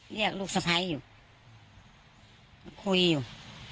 เรียกลูกสมัยอยู่คุยอยู่